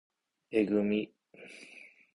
えぐみ